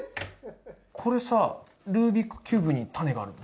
これさ、ルービックキューブにタネがあるの？